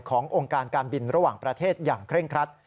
องค์การการบินระหว่างประเทศอย่างเคร่งครัด